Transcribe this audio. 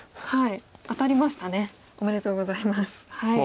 はい。